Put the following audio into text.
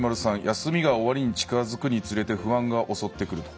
「休みが終わりに近づくにつれて不安が襲ってくる。